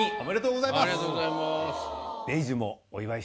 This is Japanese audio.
ありがとうございます。